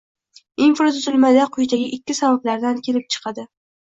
Infratuzilmada quyidagi ikki sabablardan kelib chiqadi: